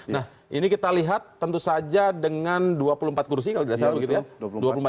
nah ini kita lihat tentu saja dengan dua puluh empat kursi kalau tidak salah begitu ya